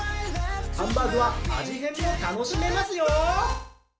ハンバーグは味変も楽しめますよ！